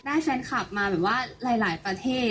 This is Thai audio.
แฟนคลับมาแบบว่าหลายประเทศ